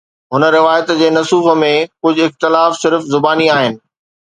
هن روايت جي نصوص ۾ ڪجهه اختلاف صرف زباني آهن